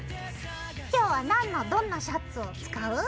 今日は何のどんなシャツを使う？